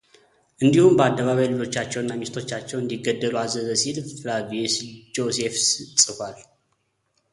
እንዲሁም በአደባባይ ልጆቻቸው እና ሚስቶቻቸው እንዲገደሉ አዘዘ ሲል ፍላቪየስ ጆሴፈስ ጽፏል።